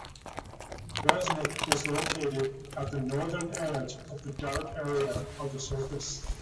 Resnik is located at the northern edge of the dark area of the surface.